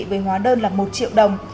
với hóa đơn là một triệu đồng